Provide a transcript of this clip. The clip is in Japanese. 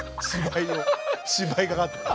芝居がかってる。